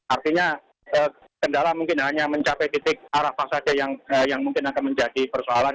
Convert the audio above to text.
artinya kendala mungkin hanya mencapai titik arah pas saja yang mungkin akan menjadi persoalan